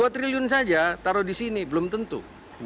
dua triliun saja taruh di sini belum tentu